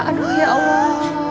aduh ya allah